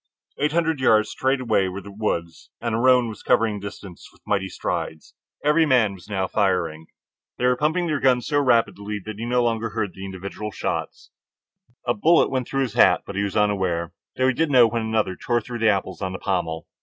Eight hundred yards straight away were the woods, and the roan was covering the distance with mighty strides. Every man was now firing. pumping their guns so rapidly that he no longer heard individual shots. A bullet went through his hat, but he was unaware, though he did know when another tore through the apples on the pommel.